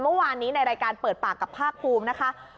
เมื่อวานนี้ในรายการเปิดปากกับภาคภูมินะคะ